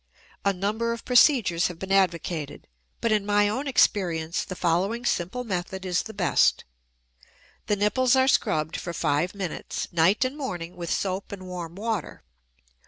A number of procedures have been advocated, but in my own experience the following simple method is the best. The nipples are scrubbed for five minutes, night and morning, with soap and warm water.